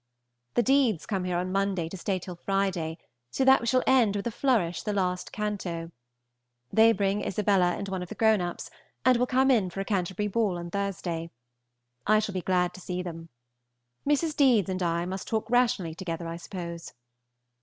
The Deedes come here on Monday to stay till Friday, so that we shall end with a flourish the last canto. They bring Isabella and one of the grown ups, and will come in for a Canty. ball on Thursday. I shall be glad to see them. Mrs. Deedes and I must talk rationally together, I suppose.